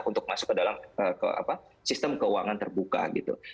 untuk masuk ke dalam sistem keuangan terbuka gitu